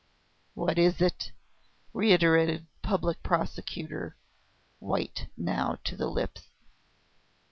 "What is it?" reiterated the Public Prosecutor, white now to the lips.